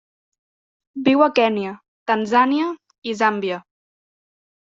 Viu a Kenya, Tanzània i Zàmbia.